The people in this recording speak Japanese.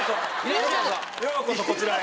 ようこそこちらへ。